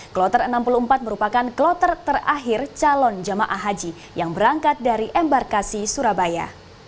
kloter enam puluh empat merupakan kloter terakhir calon jemaah haji yang berangkat dari embarkasi surabaya